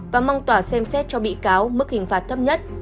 và mong tòa xem xét cho bị cáo mức hình phạt thấp nhất